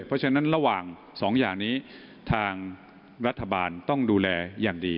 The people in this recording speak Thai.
เพราะฉะนั้นระหว่างสองอย่างนี้ทางรัฐบาลต้องดูแลอย่างดี